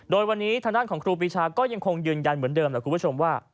โดยวันนี้ทางด้านของครูปีชาก็ยังคงยืนยันเหมือนเดิมแหละคุณผู้ชมว่า